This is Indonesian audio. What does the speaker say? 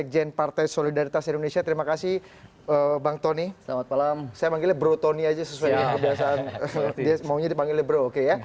dia maunya dipanggilnya bro oke ya